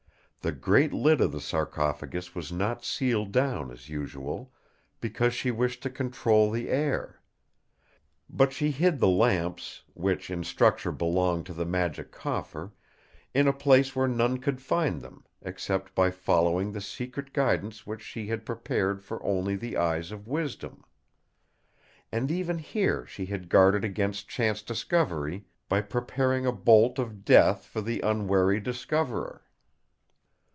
The great lid of the sarcophagus was not sealed down as usual, because she wished to control the air. But she hid the lamps, which in structure belong to the Magic Coffer, in a place where none could find them, except by following the secret guidance which she had prepared for only the eyes of wisdom. And even here she had guarded against chance discovery, by preparing a bolt of death for the unwary discoverer.